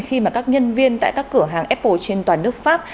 khi mà các nhân viên tại các cửa hàng apple trên toàn nước pháp